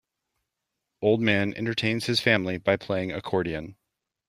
Old man entertains his family by playing accordion